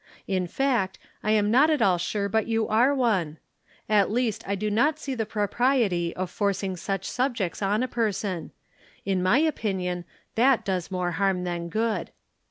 In fact, I am not at all sure but you are one. At least I do not see the pro priety of forcing such subjects on a person ; in my opinion that does more harm than good.